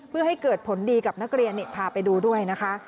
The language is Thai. เพื่อให้เกิดผลดีกับนักเรียนพาไปดูด้วยนะคะ